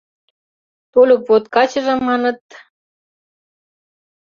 Тольык вот качыже, маныт...